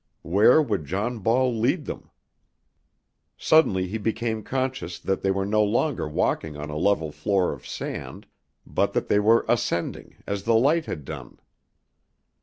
Where would John Ball lead them? Suddenly he became conscious that they were no longer walking on a level floor of sand but that they were ascending, as the light had done.